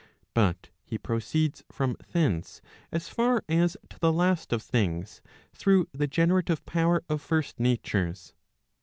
But he proceeds from thence, as far as to the last of things, through the generative power of first natures.